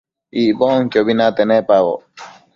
Icbonquiobi nate nepaboc